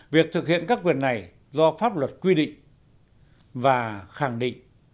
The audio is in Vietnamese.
việc thực hiện các quyền này do pháp luật quy định và khẳng định